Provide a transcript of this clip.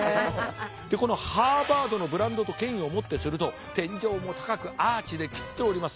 このハーバードのブランドと権威をもってすると天井も高くアーチで切っております。